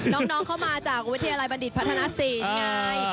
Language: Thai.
โหน้องเขามาจากวิทยาลัยบรรดิภัณฑ์ศีลไง